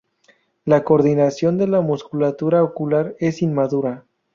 La coordinación de la musculatura ocular es inmadura.